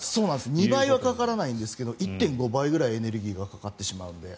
２倍はかからないんですが１．５倍ぐらいエネルギーがかかってしまうので。